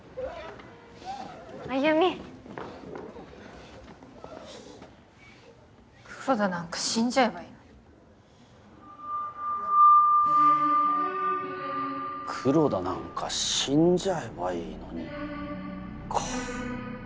歩美黒田なんか死んじゃえばいい「黒田なんか死んじゃえばいいのに」か。